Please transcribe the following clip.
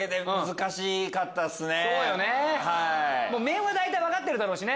面は分かってるだろうしね。